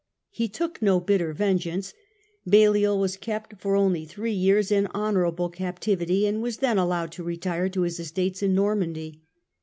He took no bitter vengeance. Balliol was kept for only three years in honourable cap tivity, and was then allowed to retire to his estates in Normandy.